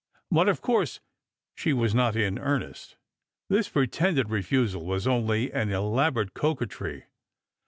But of course she was not in earnest; this pretended jefusal was only an elaborate coquetry.